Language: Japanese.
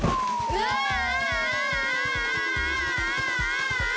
うわあ！